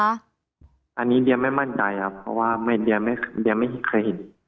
อันนี้เดียไม่มั่นใจครับเพราะว่าเดียไม่เคยเห็น